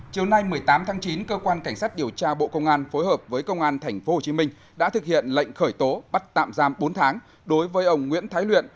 chiều nay một mươi tám tháng chín cơ quan cảnh sát điều tra bộ công an phối hợp với công an tp hcm đã thực hiện lệnh khởi tố bắt tạm giam bốn tháng đối với ông nguyễn thái luyện